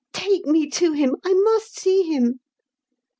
" Take me to him ; I must see him."